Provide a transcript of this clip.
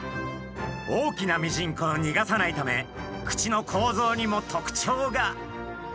大きなミジンコをにがさないため口の構造にもとくちょうが。